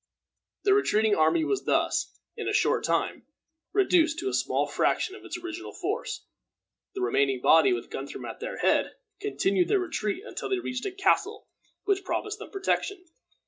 The retreating army was thus, in a short time, reduced to a small fraction of its original force. This remaining body, with Guthrum at their head, continued their retreat until they reached a castle which promised them protection.